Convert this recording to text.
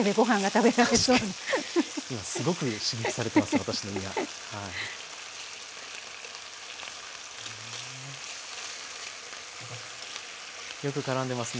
はい。